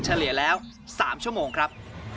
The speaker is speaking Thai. เฉลี่ยแล้ว๓ชั่วโมงครับ